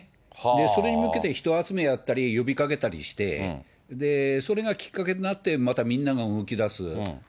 それに向けて人集めやったり、呼びかけたりして、それがきっかけとなって、またみんなが動きだす。